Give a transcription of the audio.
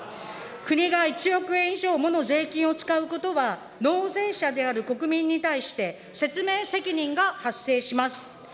国が１億円以上もの税金を使うことは、納税者である国民に対して、説明責任が発生します。